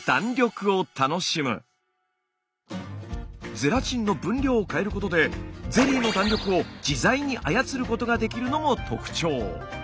ゼラチンの分量を変えることでゼリーの弾力を自在に操ることができるのも特徴。